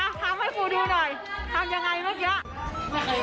อ้าวทำให้ครูดูหน่อยทำอย่างไรเมื่อกี้ล่ะ